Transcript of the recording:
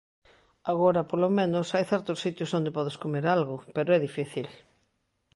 Agora, polo menos, hai certos sitios onde podes comer algo, pero é difícil.